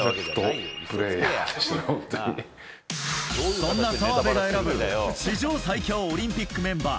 そんな澤部が選ぶ史上最強オリンピックメンバー。